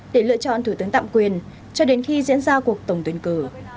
để lựa chọn thủ tướng tạm quyền cho đến khi diễn ra cuộc tổng tuyển cử